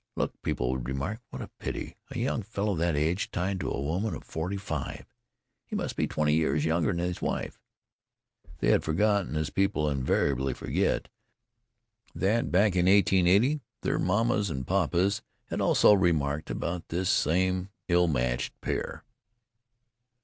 "Look!" people would remark. "What a pity! A young fellow that age tied to a woman of forty five. He must be twenty years younger than his wife." They had forgotten as people inevitably forget that back in 1880 their mammas and papas had also remarked about this same ill matched pair.